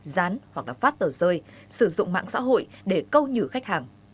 dán hoặc là phát tờ rơi sử dụng mạng xã hội để câu nhử khách hàng